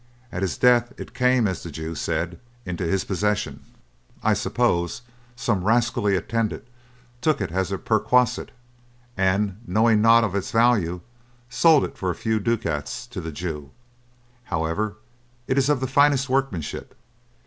At his death it came as the Jew said, into his possession. I suppose some rascally attendant took it as a perquisite, and, knowing not of its value, sold it for a few ducats to the Jew. However, it is of the finest workmanship.